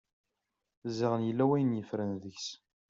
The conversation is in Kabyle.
Ziɣen yella wayen yeffren deg-s.